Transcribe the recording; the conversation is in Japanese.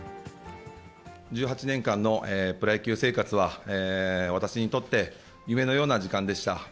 １８年間のプロ野球生活は、私にとって夢のような時間でした。